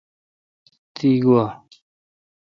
دی گوا۔